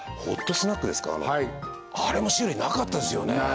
ホットスナックですかあれも種類なかったですよね